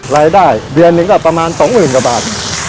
รายได้เดือนหนึ่งก็ประมาณ๒๐๐๐กว่าบาท